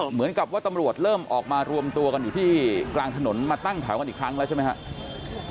เหมือนกับว่าตำรวจเริ่มออกมารวมตัวกันอยู่ที่กลางถนนมาตั้งแถวกันอีกครั้งแล้วใช่ไหมครับ